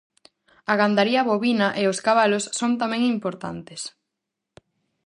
A gandaría bovina e os cabalos son tamén importantes.